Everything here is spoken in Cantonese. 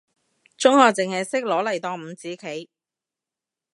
中學淨係識攞嚟當五子棋，